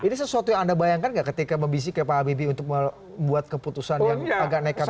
ini sesuatu yang anda bayangkan nggak ketika membisik ya pak habibie untuk membuat keputusan yang agak nekat